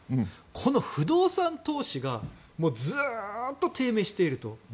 この不動産投資がずっと低迷していると。